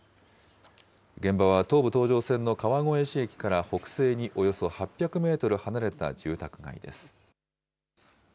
現場は東武東上線の川越市駅から北西におよそ８００メートル離れた住宅街です。